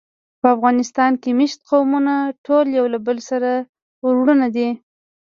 په افغانستان کې مېشت قومونه ټول یو له بله سره وروڼه دي.